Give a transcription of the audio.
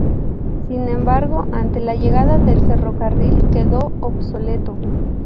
Sin embargo, ante la llegada del ferrocarril, quedó obsoleto.